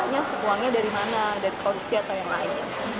nya uangnya dari mana dari korupsi atau yang lain